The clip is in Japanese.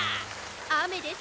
雨です